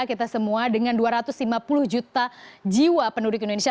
kita semua dengan dua ratus lima puluh juta jiwa penduduk indonesia